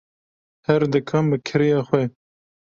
Her dikan bi kirêya xwe.